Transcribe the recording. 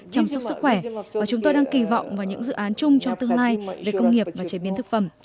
chăm sóc sức khỏe và chúng tôi đang kỳ vọng vào những dự án chung cho tương lai về công nghiệp và chế biến thực phẩm